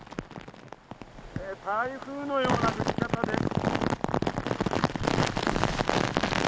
台風のような降り方です。